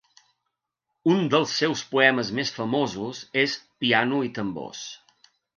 Un dels seus poemes més famosos és "Piano i Tambors".